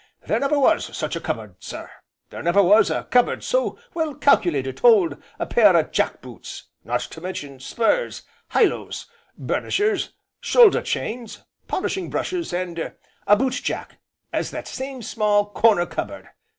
There never was such a cup board, no sir, there never was a cup board so well calculated to hold a pair o' jack boots, not to mention spurs, highlows, burnishers, shoulder chains, polishing brushes, and a boot jack, as that same small corner cup board.